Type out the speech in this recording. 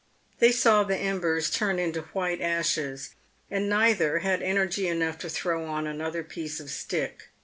They saw the embers turn into white ashes, and neither had energy enough to throw on another piece of stick.